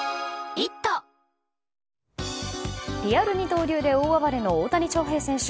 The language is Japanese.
リアル二刀流で大暴れの大谷翔平選手。